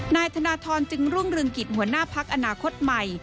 นายธนทรจึงรุ่งเรืองกิจหัวหน้าพักอนาคตใหม่